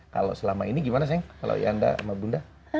kalau selama ini gimana sayang kalau yanda sama bunda